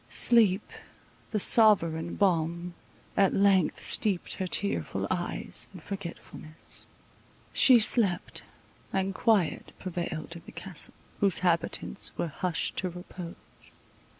Sleep, the sovereign balm, at length steeped her tearful eyes in forgetfulness. She slept; and quiet prevailed in the Castle, whose inhabitants were hushed to repose.